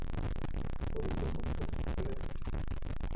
Publicó muchos otros papeles.